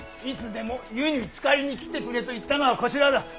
いつでも湯につかりに来てくれと言ったのはこちらだ。